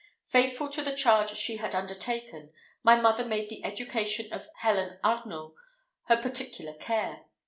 Faithful to the charge she had undertaken, my mother made the education of Helen Arnault her particular care.